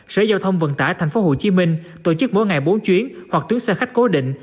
sở giao thông vận tải tp hcm tổ chức mỗi ngày bốn chuyến hoặc tuyến xe khách cố định